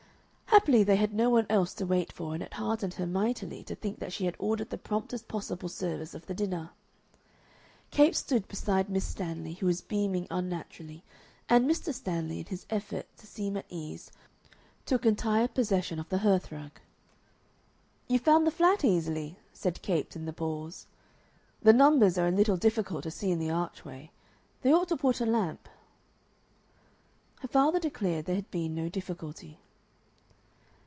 Happily they had no one else to wait for, and it heartened her mightily to think that she had ordered the promptest possible service of the dinner. Capes stood beside Miss Stanley, who was beaming unnaturally, and Mr. Stanley, in his effort to seem at ease, took entire possession of the hearthrug. "You found the flat easily?" said Capes in the pause. "The numbers are a little difficult to see in the archway. They ought to put a lamp." Her father declared there had been no difficulty.